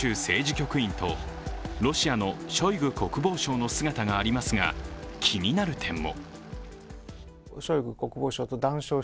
局員とロシアのショイグ国防相の姿がありますが、気になる点も。